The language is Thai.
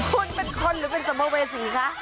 คุณเป็นคนหรือเป็นสัมภเวษีคะ